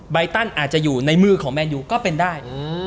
ใบตันอาจจะอยู่ในมือของแมนยูก็เป็นได้